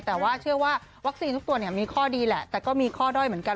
แต่ว่าเชื่อว่าวัคซีนทุกตัวมีข้อดีแหละแต่ก็มีข้อด้อยเหมือนกัน